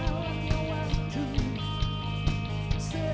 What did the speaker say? yang ada di sana